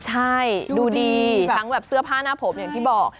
ใช่ดูดีทั้งแบบเสื้อผ้าหน้าผมอย่างที่บอก